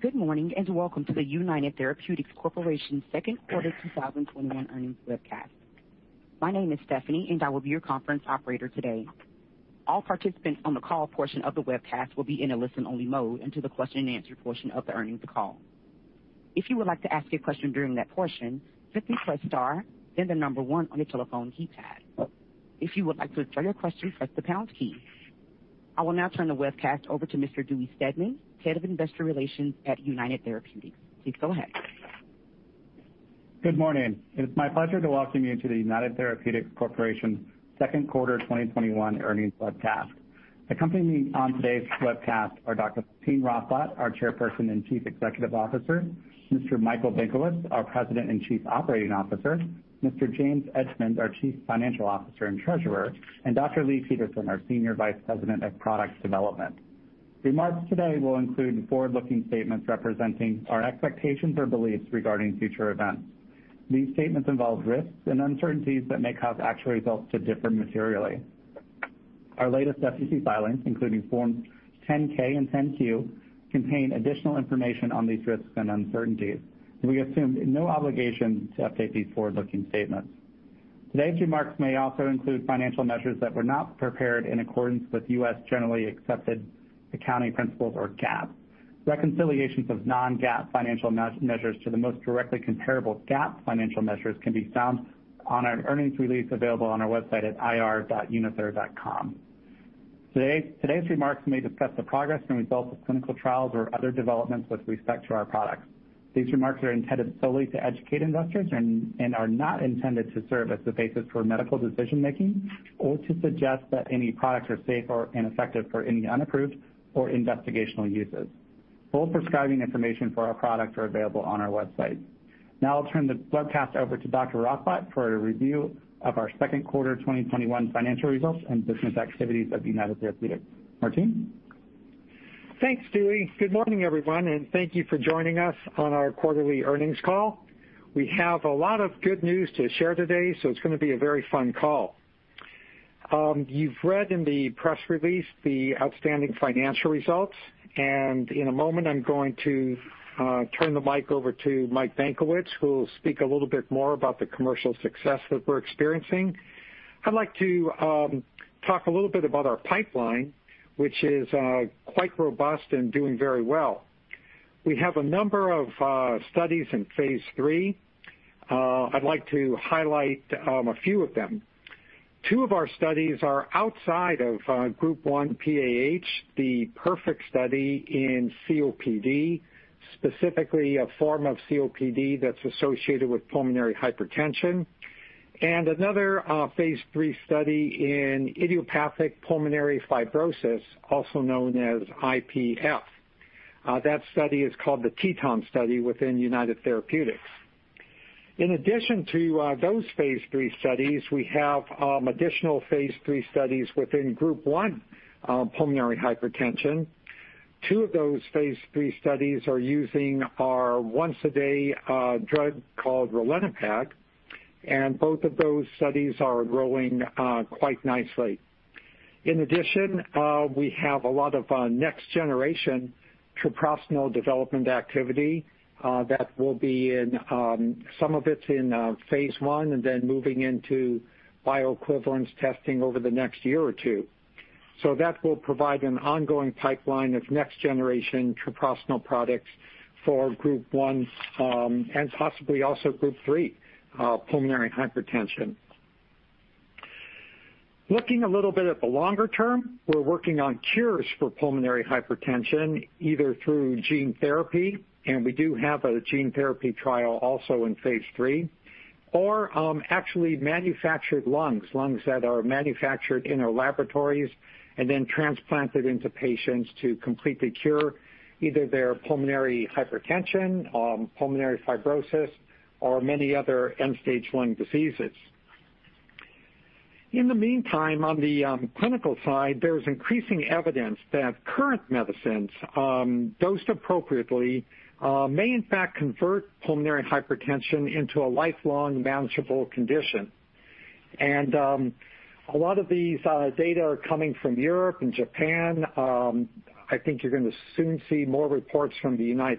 Good morning, welcome to the United Therapeutics Corporation Second Quarter 2021 Earnings Webcast. My name is Stephanie and I will be your conference operator today. All participants on the call portion of the webcast will be in a listen-only mode until the question-and-answer portion of the earnings call. If you would like to ask a question during that portion, simply press star 1 on your telephone keypad. If you would like to withdraw your question, press the pound key. I will now turn the webcast over to Mr. Dewey Steadman, Head of Investor Relations at United Therapeutics. Please go ahead. Good morning. It's my pleasure to welcome you to the United Therapeutics Corporation Second Quarter 2021 Earnings Webcast. Accompanying me on today's webcast are Dr. Martine Rothblatt, our Chairperson and Chief Executive Officer. Mr. Michael Benkowitz, our President and Chief Operating Officer, Mr. James Edgemond, our Chief Financial Officer and Treasurer, and Dr. Leigh Peterson, our Senior Vice President of Product Development. Remarks today will include forward-looking statements representing our expectations or beliefs regarding future events. These statements involve risks and uncertainties that may cause actual results to differ materially. Our latest SEC filings, including forms 10-K and 10-Q, contain additional information on these risks and uncertainties, and we assume no obligation to update these forward-looking statements. Today's remarks may also include financial measures that were not prepared in accordance with U.S. generally accepted accounting principles, or GAAP. Reconciliations of non-GAAP financial measures to the most directly comparable GAAP financial measures can be found on our earnings release available on our website at ir.unither.com. Today's remarks may discuss the progress and results of clinical trials or other developments with respect to our products. These remarks are intended solely to educate investors and are not intended to serve as the basis for medical decision-making or to suggest that any products are safe or ineffective for any unapproved or investigational uses. Full prescribing information for our products are available on our website. Now I'll turn the webcast over to Dr. Rothblatt for a review of our second quarter 2021 financial results and business activities of United Therapeutics. Martine? Thanks, Dewey. Good morning, everyone, and thank you for joining us on our quarterly earnings call. We have a lot of good news to share today, so it's going to be a very fun call. You've read in the press release the outstanding financial results, and in a moment, I'm going to turn the mic over to Michael Benkowitz, who will speak a little bit more about the commercial success that we're experiencing. I'd like to talk a little bit about our pipeline, which is quite robust and doing very well. We have a number of studies in phase III. I'd like to highlight a few of them. Two of our studies are outside of Group 1 PAH, the PERFECT study in COPD, specifically a form of COPD that's associated with pulmonary hypertension, and another phase III study in idiopathic pulmonary fibrosis, also known as IPF. That study is called the TETON study within United Therapeutics. In addition to those phase III studies, we have additional phase III studies within Group 1 pulmonary hypertension. Two of those phase III studies are using our once-a-day drug called ralinepag, and both of those studies are growing quite nicely. In addition, we have a lot of next generation treprostinil development activity that some of it's in phase I and then moving into bioequivalence testing over the next year or two. That will provide an ongoing pipeline of next generation treprostinil products for Group 1, and possibly also Group 3 pulmonary hypertension. Looking a little bit at the longer term, we're working on cures for pulmonary hypertension, either through gene therapy, and we do have a gene therapy trial also in phase III, or actually manufactured lungs. Lungs that are manufactured in our laboratories and then transplanted into patients to completely cure either their pulmonary hypertension, pulmonary fibrosis, or many other end-stage lung diseases. In the meantime, on the clinical side, there is increasing evidence that current medicines, dosed appropriately, may in fact convert pulmonary hypertension into a lifelong manageable condition. A lot of these data are coming from Europe and Japan. I think you're going to soon see more reports from the U.S.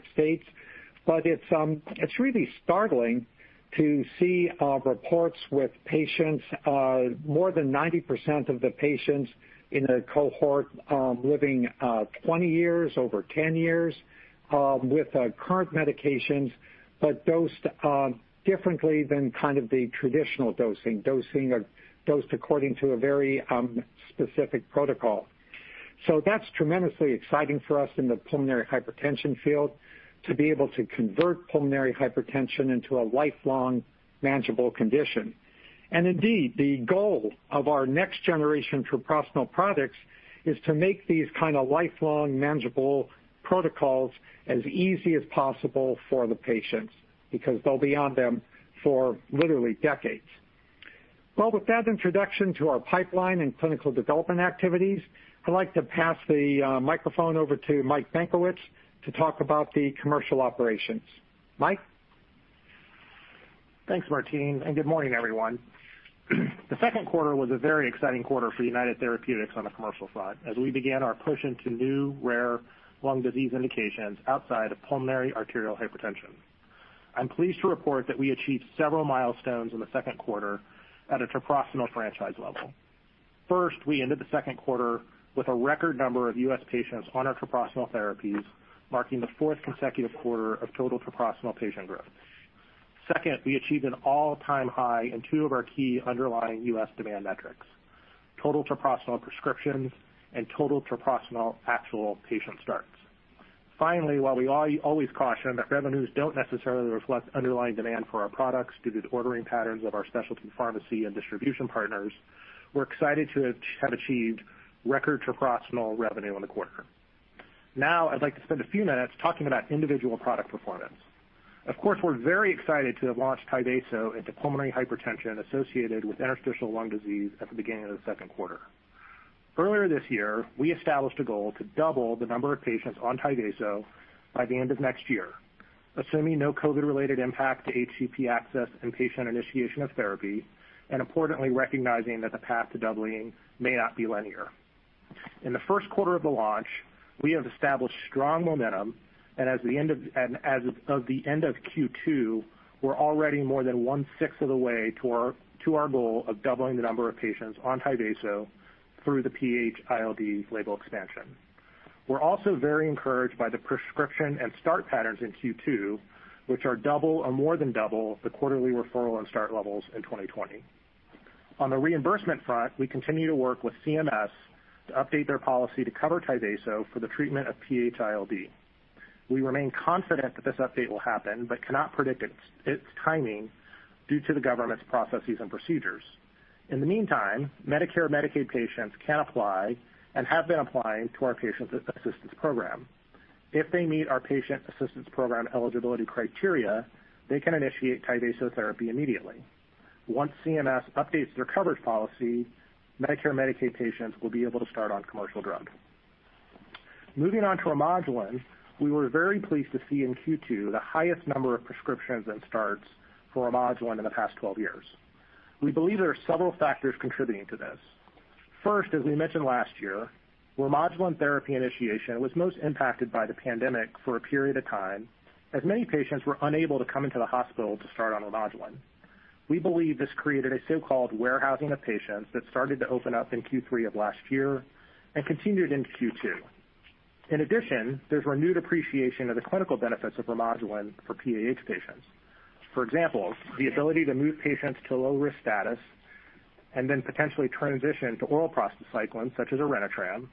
It's really startling to see reports with patients, more than 90% of the patients in a cohort living 20 years, over 10 years with current medications, but dosed differently than kind of the traditional dosing. Dosed according to a very specific protocol. That's tremendously exciting for us in the pulmonary hypertension field to be able to convert pulmonary hypertension into a lifelong manageable condition. Indeed, the goal of our next generation treprostinil products is to make these kind of lifelong manageable protocols as easy as possible for the patients, because they'll be on them for literally decades. Well, with that introduction to our pipeline and clinical development activities, I'd like to pass the microphone over to Mike Benkowitz to talk about the commercial operations. Mike? Thanks, Martine. Good morning, everyone. The second quarter was a very exciting quarter for United Therapeutics on the commercial front as we began our push into new rare lung disease indications outside of pulmonary arterial hypertension. I'm pleased to report that we achieved several milestones in the second quarter at a treprostinil franchise level. First, we ended the second quarter with a record number of U.S. patients on our treprostinil therapies, marking the fourth consecutive quarter of total treprostinil patient growth. Second, we achieved an all-time high in two of our key underlying U.S. demand metrics, total treprostinil prescriptions and total treprostinil actual patient starts. Finally, while we always caution that revenues don't necessarily reflect underlying demand for our products due to the ordering patterns of our specialty pharmacy and distribution partners, we're excited to have achieved record treprostinil revenue in the quarter. I'd like to spend a few minutes talking about individual product performance. Of course, we're very excited to have launched Tyvaso into pulmonary hypertension associated with interstitial lung disease at the beginning of the second quarter. Earlier this year, we established a goal to double the number of patients on Tyvaso by the end of next year, assuming no COVID-related impact to HCP access and patient initiation of therapy, and importantly, recognizing that the path to doubling may not be linear. In the first quarter of the launch, we have established strong momentum, and as of the end of Q2, we're already more than one-sixth of the way to our goal of doubling the number of patients on Tyvaso through the PH-ILD label expansion. We're also very encouraged by the prescription and start patterns in Q2, which are double or more than double the quarterly referral and start levels in 2020. On the reimbursement front, we continue to work with CMS to update their policy to cover Tyvaso for the treatment of PH-ILD. We remain confident that this update will happen, but cannot predict its timing due to the government's processes and procedures. In the meantime, Medicare/Medicaid patients can apply and have been applying to our patient assistance program. If they meet our patient assistance program eligibility criteria, they can initiate Tyvaso therapy immediately. Once CMS updates their coverage policy, Medicare/Medicaid patients will be able to start on commercial drug. Moving on to Remodulin, we were very pleased to see in Q2 the highest number of prescriptions and starts for Remodulin in the past 12 years. We believe there are several factors contributing to this. First, as we mentioned last year, Remodulin therapy initiation was most impacted by the pandemic for a period of time, as many patients were unable to come into the hospital to start on Remodulin. We believe this created a so-called warehousing of patients that started to open up in Q3 of last year and continued into Q2. In addition, there's renewed appreciation of the clinical benefits of Remodulin for PAH patients. For example, the ability to move patients to low-risk status and then potentially transition to oral prostacyclin, such as Orenitram,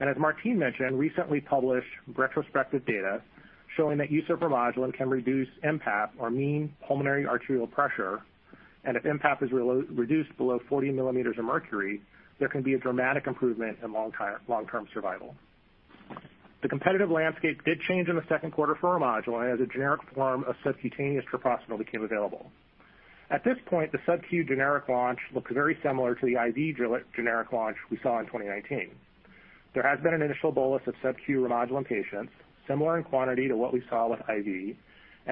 and as Martine mentioned, recently published retrospective data showing that use of Remodulin can reduce mPAP, or mean pulmonary arterial pressure, and if mPAP is reduced below 40 millimeters of mercury, there can be a dramatic improvement in long-term survival. The competitive landscape did change in the second quarter for Remodulin, as a generic form of subcutaneous treprostinil became available. At this point, the subcu generic launch looks very similar to the IV generic launch we saw in 2019.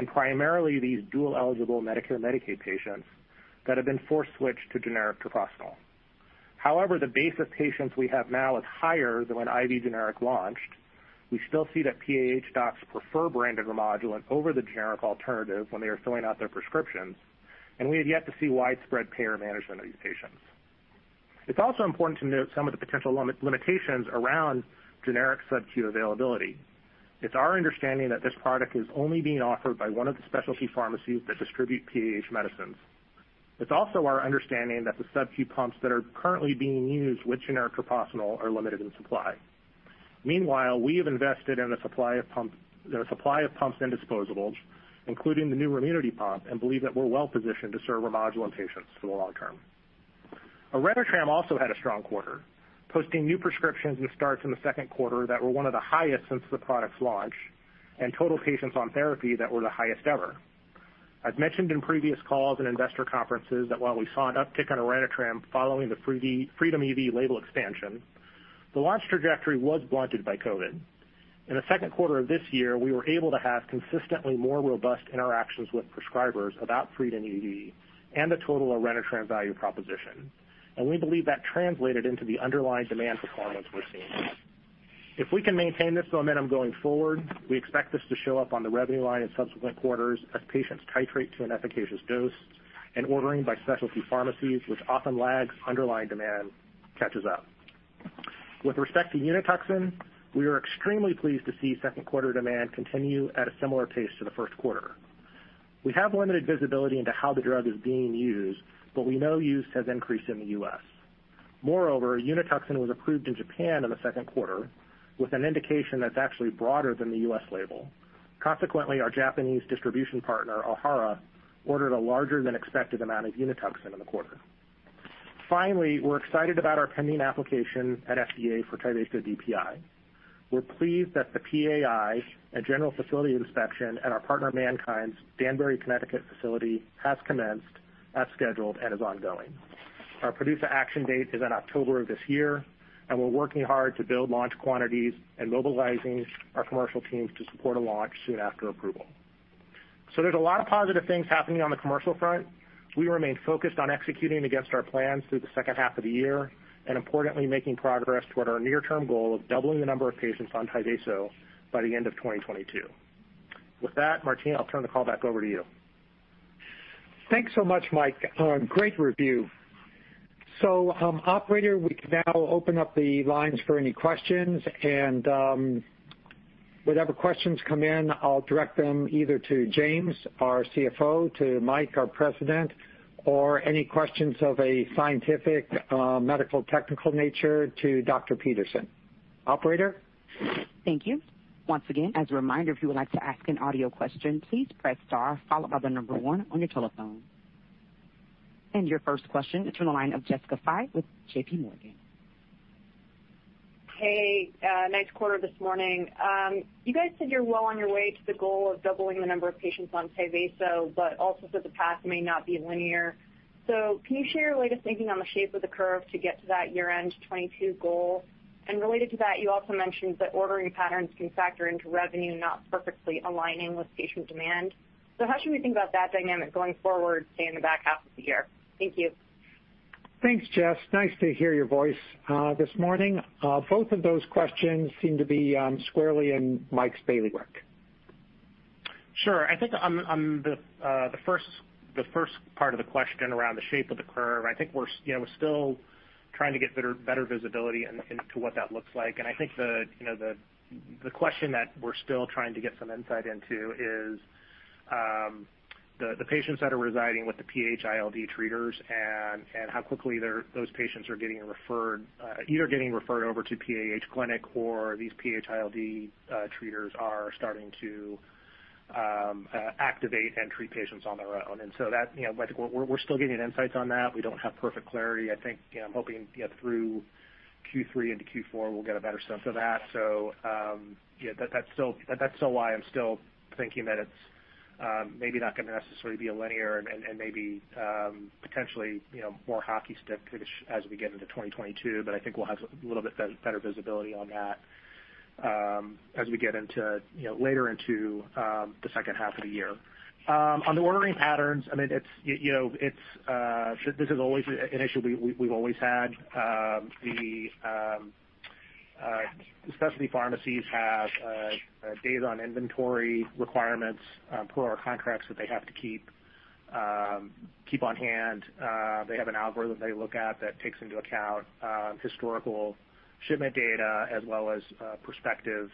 Primarily these dual-eligible Medicare/Medicaid patients that have been force switched to generic treprostinil. The base of patients we have now is higher than when IV generic launched. We still see that PAH docs prefer branded Remodulin over the generic alternative when they are filling out their prescriptions. We have yet to see widespread payer management of these patients. It's also important to note some of the potential limitations around generic subcu availability. It's our understanding that this product is only being offered by one of the specialty pharmacies that distribute PAH medicines. It's also our understanding that the subcu pumps that are currently being used with generic treprostinil are limited in supply. Meanwhile, we have invested in a supply of pumps and disposables, including the new Remunity pump, and believe that we're well-positioned to serve Remodulin patients for the long term. Orenitram also had a strong quarter, posting new prescriptions and starts in the second quarter that were one of the highest since the product's launch and total patients on therapy that were the highest ever. I've mentioned in previous calls and investor conferences that while we saw an uptick on Orenitram following the FREEDOM-EV label expansion, the launch trajectory was blunted by COVID. In the second quarter of this year, we were able to have consistently more robust interactions with prescribers about FREEDOM-EV and the total Orenitram value proposition, and we believe that translated into the underlying demand performance we're seeing. If we can maintain this momentum going forward, we expect this to show up on the revenue line in subsequent quarters as patients titrate to an efficacious dose and ordering by specialty pharmacies, which often lags underlying demand, catches up. With respect to Unituxin, we are extremely pleased to see second quarter demand continue at a similar pace to the first quarter. We have limited visibility into how the drug is being used, but we know use has increased in the U.S. Moreover, Unituxin was approved in Japan in the second quarter with an indication that's actually broader than the U.S. label. Consequently, our Japanese distribution partner, Ohara, ordered a larger than expected amount of Unituxin in the quarter. We're excited about our pending application at FDA for Tyvaso DPI. We're pleased that the PAI and general facility inspection at our partner, MannKind's, Danbury, Connecticut facility has commenced as scheduled and is ongoing. Our PDUFA action date is in October of this year, and we're working hard to build launch quantities and mobilizing our commercial teams to support a launch soon after approval. There's a lot of positive things happening on the commercial front. We remain focused on executing against our plans through the second half of the year, and importantly, making progress toward our near-term goal of doubling the number of patients on Tyvaso by the end of 2022. With that, Martine, I'll turn the call back over to you. Thanks so much, Mike. Great review. Operator, we can now open up the lines for any questions. Whatever questions come in, I'll direct them either to James, our CFO, to Mike, our President, or any questions of a scientific, medical, technical nature to Dr. Peterson. Operator? Thank you. Once again, as a reminder, if you would like to ask an audio question, please press star, followed by the number 1 on your telephone. Your first question is from the line of Jessica Fye with J.P. Morgan. Hey. Nice quarter this morning. You guys said you're well on your way to the goal of doubling the number of patients on Tyvaso, but also said the path may not be linear. Can you share your latest thinking on the shape of the curve to get to that year-end 2022 goal? Related to that, you also mentioned that ordering patterns can factor into revenue not perfectly aligning with patient demand. How should we think about that dynamic going forward, say, in the back half of the year? Thank you. Thanks, Jess. Nice to hear your voice this morning. Both of those questions seem to be squarely in Mike's daily work. Sure. I think on the first part of the question around the shape of the curve, I think we're still trying to get better visibility into what that looks like. I think the question that we're still trying to get some insight into is the patients that are residing with the PH-ILD treaters and how quickly those patients are getting referred, either getting referred over to PAH clinic or these PH-ILD treaters are starting to activate and treat patients on their own. That, I think we're still getting insights on that. We don't have perfect clarity. I'm hoping through Q3 into Q4, we'll get a better sense of that. That's still why I'm still thinking that it's maybe not going to necessarily be a linear and maybe, potentially, more hockey stick as we get into 2022. I think we'll have a little bit better visibility on that as we get later into the second half of the year. On the ordering patterns, this is an issue we've always had. The specialty pharmacies have data on inventory requirements per our contracts that they have to keep on hand. They have an algorithm they look at that takes into account historical shipment data as well as prospective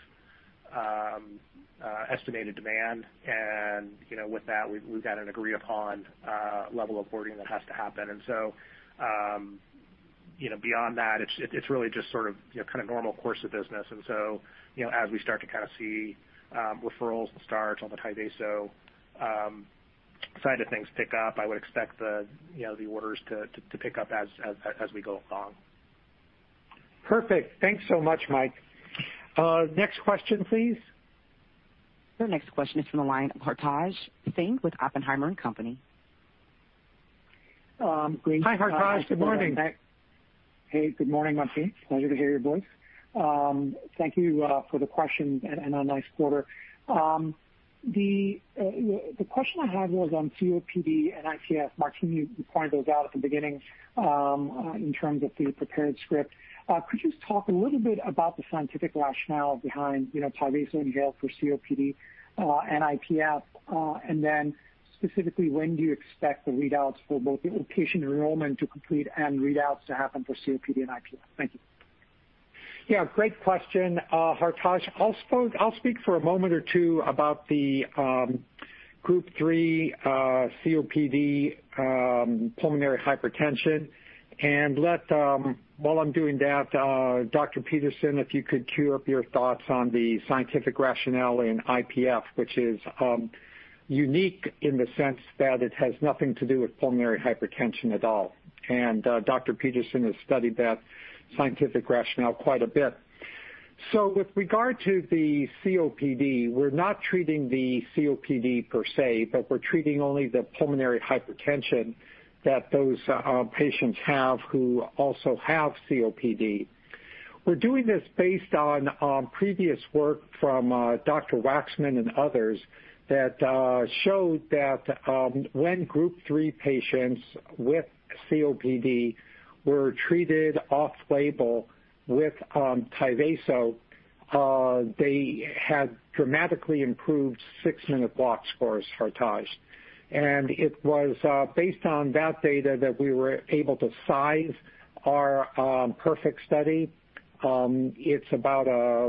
estimated demand. With that, we've got an agreed-upon level of ordering that has to happen. Beyond that, it's really just sort of normal course of business. As we start to see referrals start on the Tyvaso side of things pick up, I would expect the orders to pick up as we go along. Perfect. Thanks so much, Mike. Next question, please. Your next question is from the line of Hartaj Singh with Oppenheimer & Co. Hi, Hartaj. Good morning. Hey, good morning, Martine. Pleasure to hear your voice. Thank you for the questions and a nice quarter. The question I had was on COPD and IPF. Martine, you pointed those out at the beginning, in terms of the prepared script. Could you just talk a little bit about the scientific rationale behind Tyvaso inhaled for COPD and IPF? Then specifically, when do you expect the readouts for both the patient enrollment to complete and readouts to happen for COPD and IPF? Thank you. Yeah, great question, Hartaj. I'll speak for a moment or two about the Group III COPD pulmonary hypertension and let, while I'm doing that, Dr. Peterson, if you could cue up your thoughts on the scientific rationale in IPF, which is unique in the sense that it has nothing to do with pulmonary hypertension at all. Dr. Peterson has studied that scientific rationale quite a bit. With regard to the COPD, we're not treating the COPD per se, but we're treating only the pulmonary hypertension that those patients have who also have COPD. We're doing this based on previous work from Dr. Waxman and others that showed that when Group III patients with COPD were treated off-label with Tyvaso, they had dramatically improved six-minute walk scores, Hartaj. It was based on that data that we were able to size our PERFECT study. It's about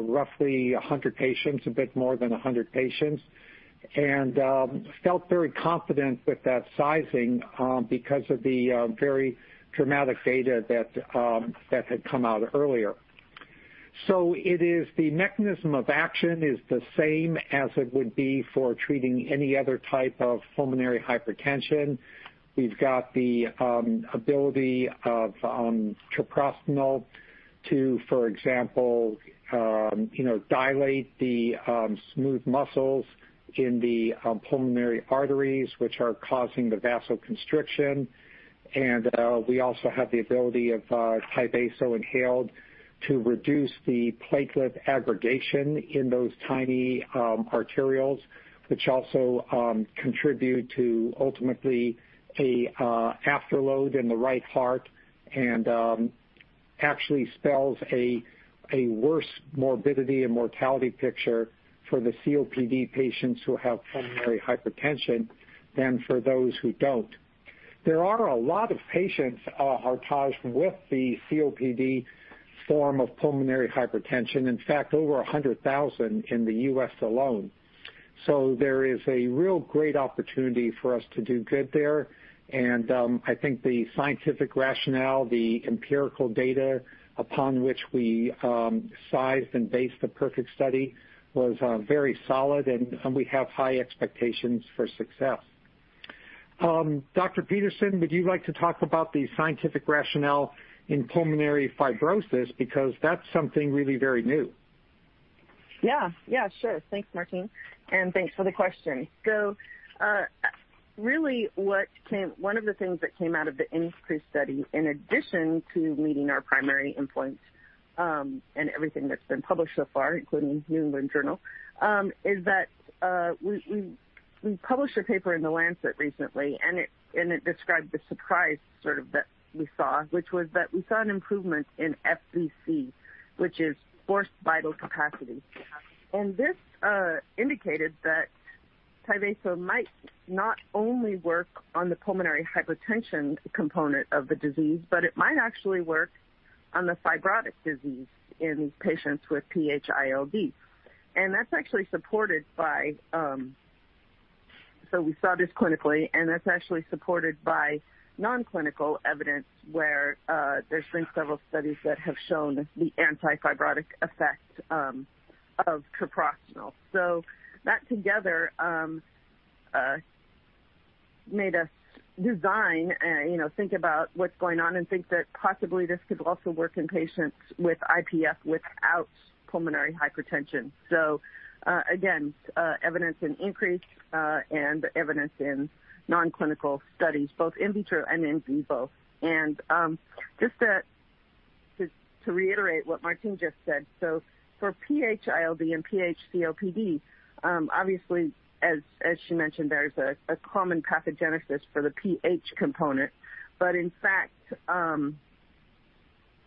roughly 100 patients, a bit more than 100 patients. Felt very confident with that sizing because of the very dramatic data that had come out earlier. It is the mechanism of action is the same as it would be for treating any other type of pulmonary hypertension. We've got the ability of treprostinil to, for example, dilate the smooth muscles in the pulmonary arteries, which are causing the vasoconstriction. We also have the ability of Tyvaso inhaled to reduce the platelet aggregation in those tiny arterioles, which also contribute to, ultimately, an afterload in the right heart, and actually spells a worse morbidity and mortality picture for the COPD patients who have pulmonary hypertension than for those who don't. There are a lot of patients, Hartaj, with the COPD form of pulmonary hypertension. In fact, over 100,000 in the U.S. alone. There is a real great opportunity for us to do good there, and I think the scientific rationale, the empirical data upon which we sized and based the PERFECT study was very solid, and we have high expectations for success. Dr. Peterson, would you like to talk about the scientific rationale in pulmonary fibrosis? That's something really very new. Yeah. Sure. Thanks, Martine, and thanks for the question. Really, one of the things that came out of the INCREASE study, in addition to meeting our primary endpoint, and everything that's been published so far, including The New England Journal of Medicine, is that we published a paper in The Lancet recently. It described the surprise that we saw, which was that we saw an improvement in FVC, which is forced vital capacity. This indicated that Tyvaso might not only work on the pulmonary hypertension component of the disease, but it might actually work on the fibrotic disease in patients with PH-ILD. We saw this clinically, and that's actually supported by non-clinical evidence where there's been several studies that have shown the anti-fibrotic effect of treprostinil. That together made us design and think about what's going on and think that possibly this could also work in patients with IPF without pulmonary hypertension. Again, evidence in INCREASE, and evidence in non-clinical studies, both in vitro and in vivo. Just to reiterate what Martine just said, so for PH-ILD and PH-COPD, obviously, as she mentioned, there's a common pathogenesis for the PH component. In fact,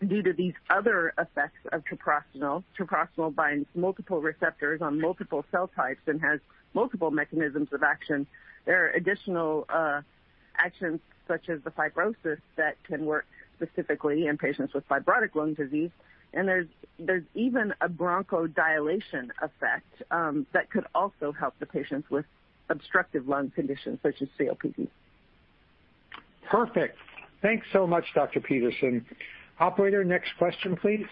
due to these other effects of treprostinil binds multiple receptors on multiple cell types and has multiple mechanisms of action. There are additional actions such as the fibrosis that can work specifically in patients with fibrotic lung disease. There's even a bronchodilation effect that could also help the patients with obstructive lung conditions such as COPD. Perfect. Thanks so much, Dr. Peterson. Operator, next question, please.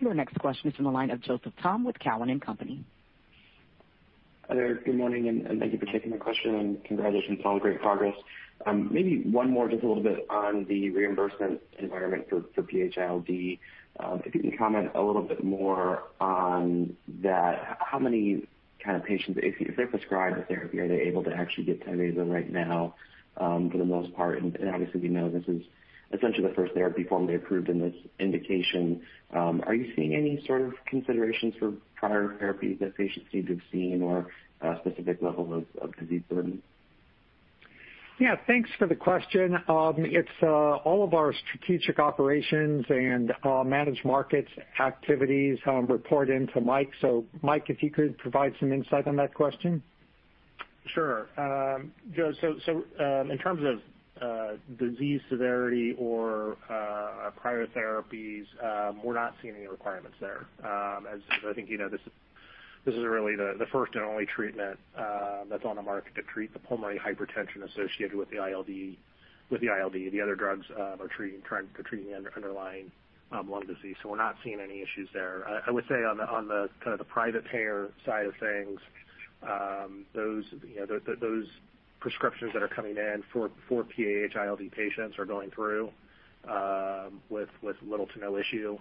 Your next question is on the line of Joseph Thome with Cowen and Company. Hi there. Good morning. Thank you for taking my question, and congratulations on the great progress. Maybe one more just a little bit on the reimbursement environment for PH-ILD. If you can comment a little bit more on that. How many kind of patients, if they're prescribed the therapy, are they able to actually get Tyvaso right now for the most part? Obviously, we know this is essentially the first therapy formally approved in this indication. Are you seeing any sort of considerations for prior therapies that patients seem to have seen or specific levels of disease severity? Yeah. Thanks for the question. It's all of our strategic operations and managed markets activities report into Mike. Mike, if you could provide some insight on that question? Sure. Joe, in terms of disease severity or prior therapies, we're not seeing any requirements there. As I think you know, this is really the first and only treatment that's on the market to treat the pulmonary hypertension associated with the ILD. The other drugs are treating underlying lung disease. We're not seeing any issues there. I would say on the private payer side of things, those prescriptions that are coming in for PH-ILD patients are going through with little to no issue.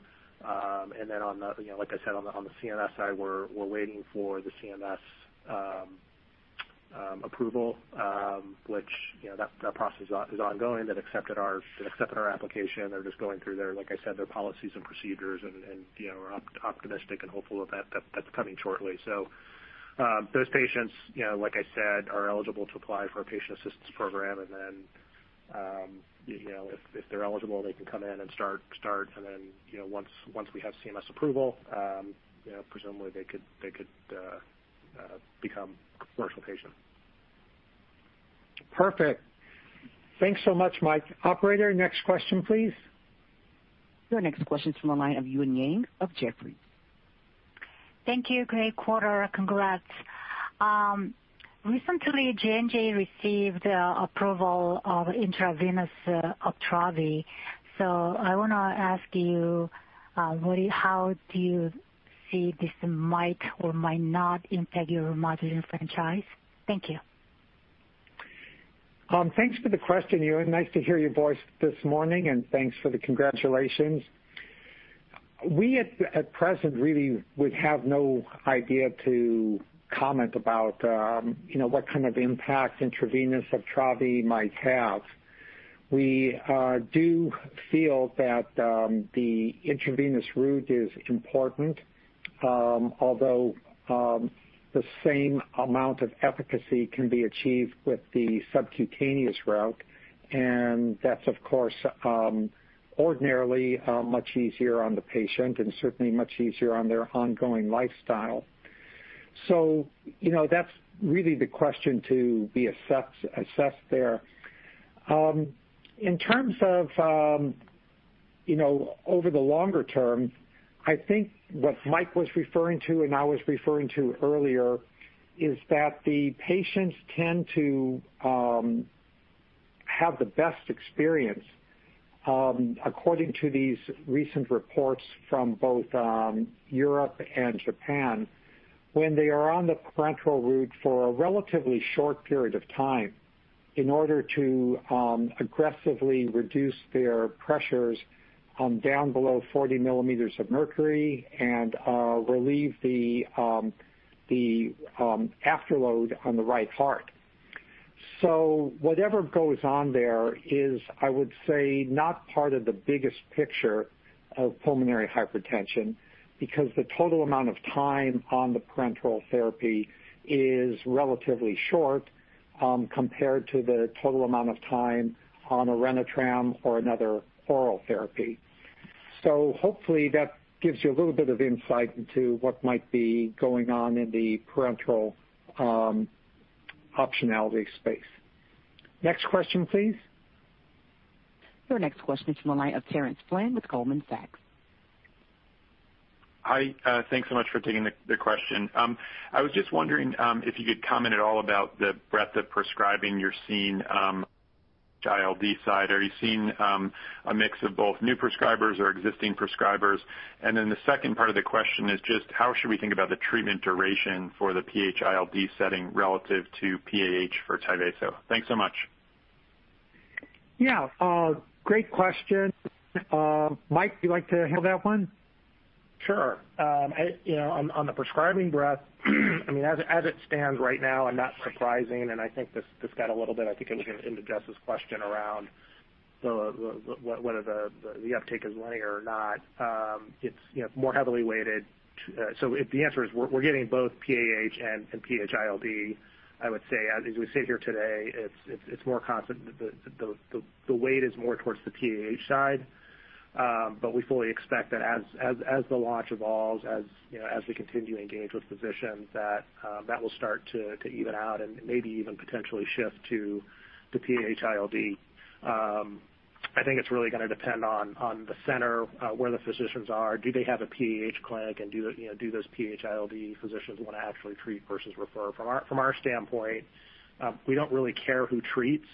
Like I said, on the CMS side, we're waiting for the CMS approval, which that process is ongoing. They've accepted our application. They're just going through their, like I said, their policies and procedures. We're optimistic and hopeful that that's coming shortly. Those patients, like I said, are eligible to apply for a patient assistance program. Then, if they're eligible, they can come in and start, and then once we have CMS approval, presumably they could become commercial patients. Perfect. Thanks so much, Mike. Operator, next question, please. Your next question is from the line of Roger Song of Jefferies. Thank you. Great quarter. Congrats. Recently, J&J received approval of intravenous Uptravi. I want to ask you, how do you see this might or might not impact your Remodulin franchise? Thank you. Thanks for the question, Ewan. Nice to hear your voice this morning, and thanks for the congratulations. We, at present, really would have no idea to comment about what kind of impact intravenous Adempas might have. We do feel that the intravenous route is important, although the same amount of efficacy can be achieved with the subcutaneous route, and that's, of course, ordinarily much easier on the patient and certainly much easier on their ongoing lifestyle. That's really the question to be assessed there. In terms of over the longer term, I think what Mike was referring to and I was referring to earlier is that the patients tend to have the best experience, according to these recent reports from both Europe and Japan, when they are on the parenteral route for a relatively short period of time in order to aggressively reduce their pressures down below 40 millimeters of mercury and relieve the afterload on the right heart. Whatever goes on there is, I would say, not part of the biggest picture of pulmonary hypertension, because the total amount of time on the parenteral therapy is relatively short compared to the total amount of time on Orenitram or one another oral therapy. Hopefully that gives you a little bit of insight into what might be going on in the parenteral optionality space. Next question, please. Your next question is from the line of Terence Flynn with Goldman Sachs. Hi. Thanks so much for taking the question. I was just wondering if you could comment at all about the breadth of prescribing you're seeing ILD side. Are you seeing a mix of both new prescribers or existing prescribers? The second part of the question is just how should we think about the treatment duration for the PH-ILD setting relative to PAH for Tyvaso? Thanks so much. Yeah. Great question. Mike, you'd like to handle that one? Sure. On the prescribing breadth as it stands right now, and not surprising, and I think this got a little bit, I think, into Jessica's question around whether the uptake is linear or not. It's more heavily weighted. The answer is we're getting both PAH and PH-ILD. I would say, as we sit here today, the weight is more towards the PAH side. We fully expect that as the launch evolves, as we continue to engage with physicians, that will start to even out and maybe even potentially shift to the PH-ILD. I think it's really going to depend on the center, where the physicians are. Do they have a PAH clinic, and do those PH-ILD physicians want to actually treat versus refer? From our standpoint, we don't really care who treats.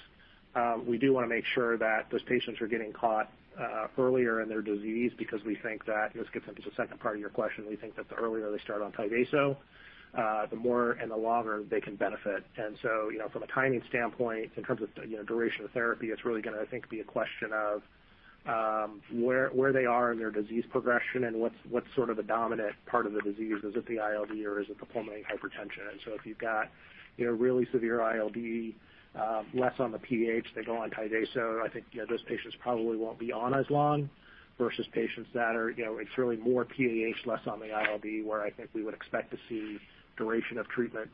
We do want to make sure that those patients are getting caught earlier in their disease because we think that, this gets into the second part of your question, we think that the earlier they start on Tyvaso, the more and the longer they can benefit. From a timing standpoint, in terms of duration of therapy, it's really going to, I think, be a question of where they are in their disease progression and what's sort of the dominant part of the disease. Is it the ILD or is it the pulmonary hypertension? If you've got really severe ILD, less on the PAH, they go on Tyvaso. I think those patients probably won't be on as long versus patients that are, it's really more PAH, less on the ILD, where I think we would expect to see duration of treatment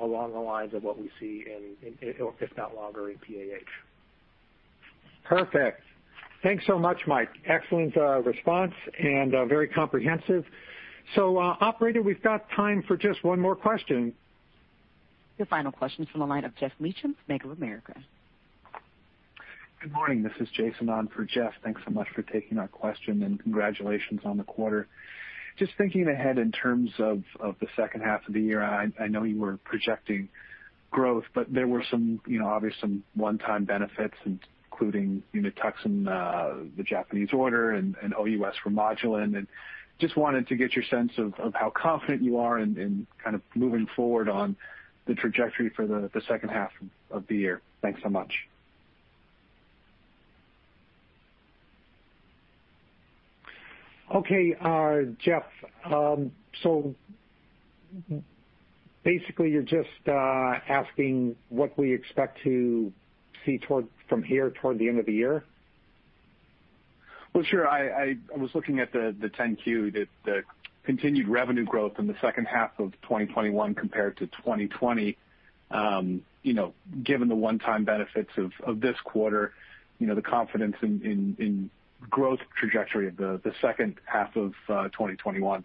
along the lines of what we see in, if not longer, in PAH. Perfect. Thanks so much, Mike. Excellent response and very comprehensive. Operator, we've got time for just one more question. Your final question is from the line of Geoff Meacham from Bank of America. Good morning, this is Jason on for Geoff Meacham. Thanks so much for taking our question and congratulations on the quarter. Just thinking ahead in terms of the second half of the year. I know you were projecting growth, but there were obviously some one-time benefits including Unituxin and the Japanese order and OUS Remodulin, and just wanted to get your sense of how confident you are in kind of moving forward on the trajectory for the second half of the year. Thanks so much. Okay. Geoff, basically you're just asking what we expect to see from here toward the end of the year? Well, sure. I was looking at the 10-Q, the continued revenue growth in the second half of 2021 compared to 2020. Given the one-time benefits of this quarter, the confidence in growth trajectory of the second half of 2021.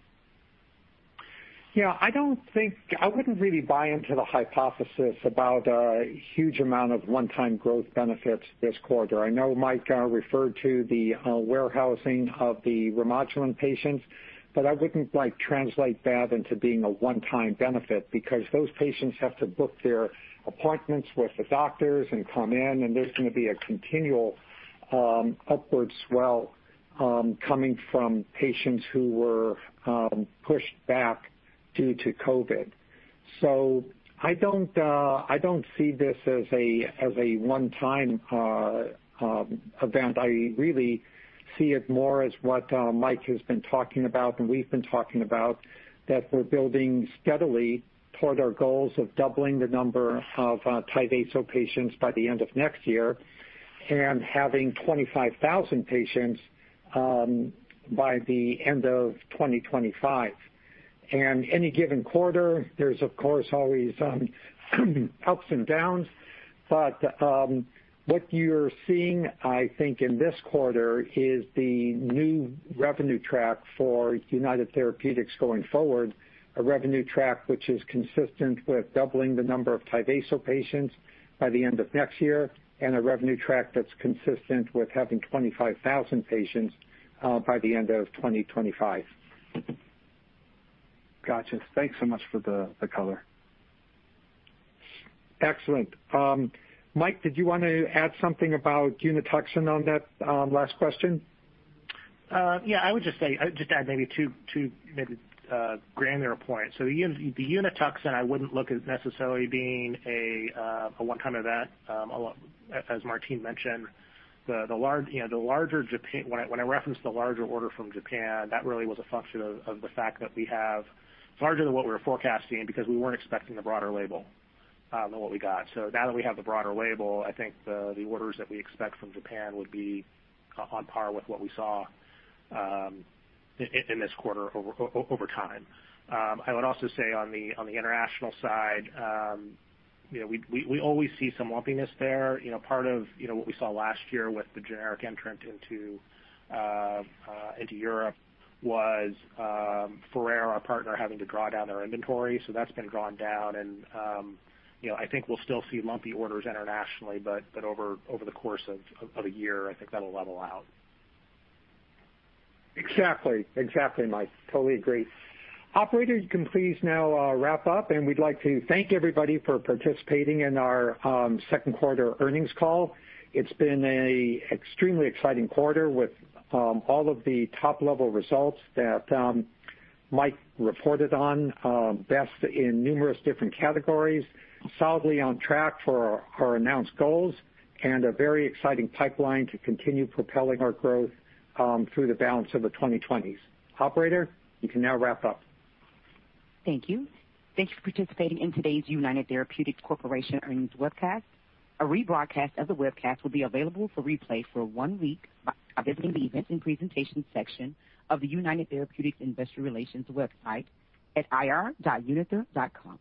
Yeah, I wouldn't really buy into the hypothesis about a huge amount of one-time growth benefits this quarter. I know Mike referred to the warehousing of the Remodulin patients, but I wouldn't translate that into being a one-time benefit because those patients have to book their appointments with the doctors and come in, and there's going to be a continual upwards swell coming from patients who were pushed back due to COVID. I don't see this as a one-time event. I really see it more as what Mike has been talking about and we've been talking about, that we're building steadily toward our goals of doubling the number of Tyvaso patients by the end of next year and having 25,000 patients by the end of 2025. Any given quarter, there's of course always ups and downs. What you're seeing, I think, in this quarter is the new revenue track for United Therapeutics going forward, a revenue track which is consistent with doubling the number of Tyvaso patients by the end of next year, and a revenue track that's consistent with having 25,000 patients by the end of 2025. Gotcha. Thanks so much for the color. Excellent. Mike, did you want to add something about Unituxin on that last question? Yeah, I would just add maybe two granular points. The Unituxin, I wouldn't look at necessarily being a one-time event. As Martine mentioned, when I referenced the larger order from Japan, that really was a function of the fact that we have larger than what we were forecasting because we weren't expecting the broader label than what we got. Now that we have the broader label, I think the orders that we expect from Japan would be on par with what we saw in this quarter over time. I would also say on the international side, we always see some lumpiness there. Part of what we saw last year with the generic entrant into Europe was Ferrer, our partner, having to draw down their inventory. That's been drawn down and I think we'll still see lumpy orders internationally but over the course of a year, I think that'll level out. Exactly, Mike. Totally agree. Operator, you can please now wrap up, and we'd like to thank everybody for participating in our second quarter earnings call. It's been an extremely exciting quarter with all of the top-level results that Mike reported on, best in numerous different categories, solidly on track for our announced goals, and a very exciting pipeline to continue propelling our growth through the balance of the 2020s. Operator, you can now wrap up. Thank you. Thank you for participating in today's United Therapeutics Corporation earnings webcast. A rebroadcast of the webcast will be available for replay for one week by visiting the Events and Presentations section of the United Therapeutics investor relations website at ir.unither.com.